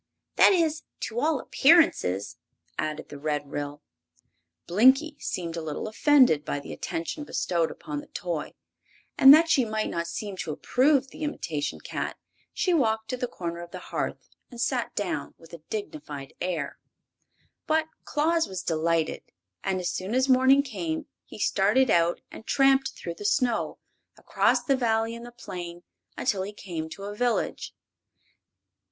"That is, to all appearances," added the Red Ryl. Blinkie seemed a little offended by the attention bestowed upon the toy, and that she might not seem to approve the imitation cat she walked to the corner of the hearth and sat down with a dignified air. But Claus was delighted, and as soon as morning came he started out and tramped through the snow, across the Valley and the plain, until he came to a village.